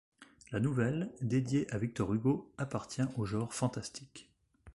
La nouvelle, dédiée à Victor Hugo, appartient au genre fantastique.